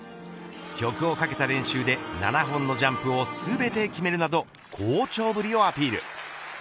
曲をかけた練習で７本のジャンプを全て決めるなど好調ぶりをアピール。